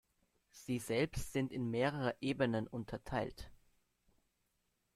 Sie selbst sind in mehrere Ebenen unterteilt.